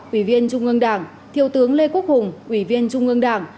ủy viên trung ương đảng thiếu tướng lê quốc hùng ủy viên trung ương đảng